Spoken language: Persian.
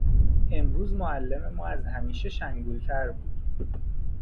امروز معلم ما از همیشه شنگول تر بود.